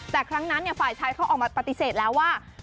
แต่ครั้งนั้นฝ่ายชายเขาออกมาปฏิเสธแล้วว่า